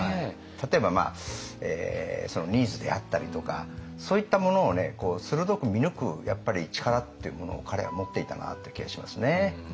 例えばニーズであったりとかそういったものを鋭く見抜く力っていうものを彼は持っていたなという気がしますね。